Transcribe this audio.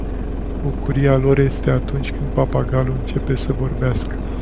Bucuria lor este atunci când papagalul începe să vorbească.